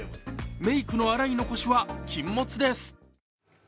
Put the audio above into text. メイクの洗い残しは禁物です。